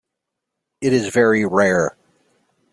It is very rare.